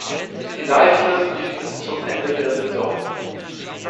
Die Leihfrist lief bis zum Ende der Saison.